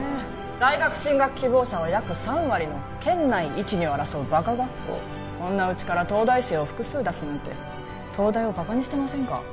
大学進学希望者は約３割の県内一二を争うバカ学校こんなうちから東大生を複数出すなんて東大をバカにしてませんか？